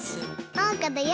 おうかだよ！